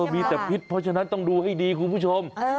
มีแต่พิษเพราะฉะนั้นต้องดูให้ดีคุณผู้ชม